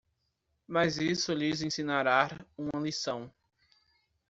Mas isso lhes ensinará uma lição.